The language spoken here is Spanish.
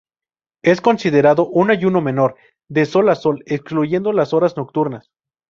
Es considerado un ayuno menor, de sol a sol, excluyendo las horas nocturnas.